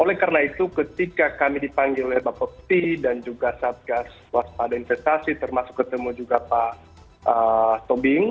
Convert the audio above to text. oleh karena itu ketika kami dipanggil oleh bapak presiden dan juga satgas waspada investasi termasuk ketemu juga pak tobing